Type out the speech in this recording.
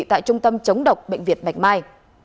tại trung tâm chống độc bệnh viện bạch mai